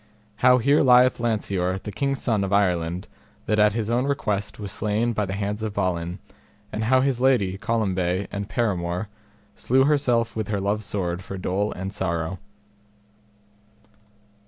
How here lieth Lanceor the king's son of Ireland, that at his own request was slain by the hands of Balin; and how his lady, Colombe, and paramour, slew herself with her love's sword for dole and sorrow.